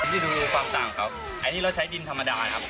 นี่ดูความต่างครับอันนี้เราใช้ดินธรรมดาครับ